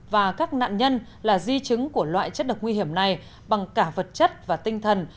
và các nạn nhân là di chứng của loại chất độc nguy hiểm này bằng cả vật chất và tinh thần